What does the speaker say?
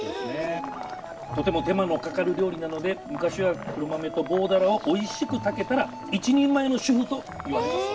とても手間のかかる料理なので昔は黒豆と棒鱈をおいしく炊けたら一人前の主婦といわれたそう。